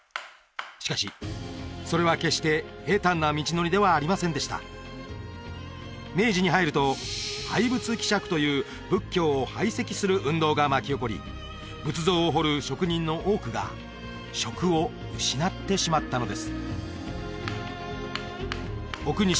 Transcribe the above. しかしそれは決して平たんな道のりではありませんでした明治に入ると廃仏毀釈という仏教を排斥する運動が巻き起こり仏像を彫る職人の多くが職を失ってしまったのです奥西